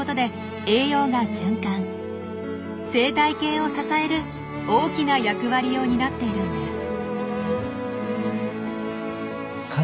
生態系を支える大きな役割を担っているんです。